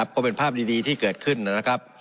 ก็เป็นภาพดีที่เกิดขึ้นนะครับ